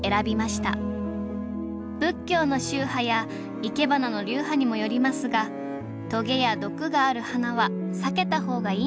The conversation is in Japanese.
仏教の宗派やいけばなの流派にもよりますがトゲや毒がある花は避けた方がいいんだそう。